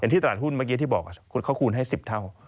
ที่ตลาดหุ้นเมื่อกี้ที่บอกเขาคูณให้๑๐เท่า